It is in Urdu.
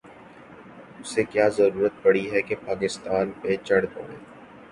اسے کیا ضرورت پڑی ہے کہ پاکستان پہ چڑھ دوڑے۔